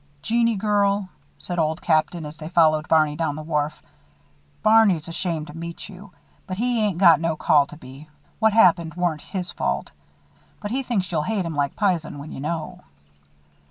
"Jeannie girl," said Old Captain, as they followed Barney down the wharf, "Barney's ashamed to meet you; but he ain't got no call to be. What happened weren't his fault. But he thinks you'll hate him like p'isen when you know."